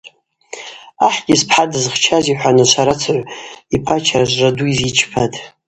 Ахӏгьи – спхӏа дызхчаз – йхӏван ашварацыгӏв йпа чаражвра ду йзичпатӏ.